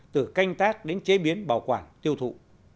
từ canh tác đến chế biến bảo quản tiêu thụ